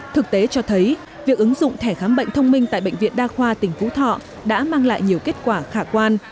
thực tế cho thấy việc ứng dụng thẻ khám bệnh thông minh tại bệnh viện đa khoa tỉnh phú thọ đã mang lại nhiều kết quả khả quan